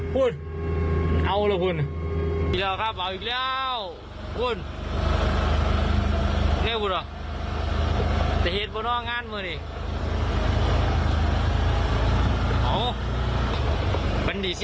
กลับบกเนี่ยครับมีอะไรเผอะโน๊ตงานเมื่อนี้